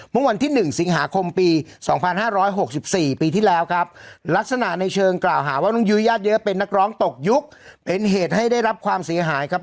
เมื่อวันที่๑สิงหาคมปี๒๕๖๔ปีที่แล้วครับลักษณะในเชิงกล่าวหาว่าน้องยุ้ยญาติเยอะเป็นนักร้องตกยุคเป็นเหตุให้ได้รับความเสียหายครับ